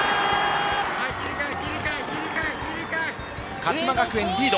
鹿島学園リード。